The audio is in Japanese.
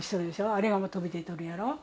あれも飛びでとるやろ。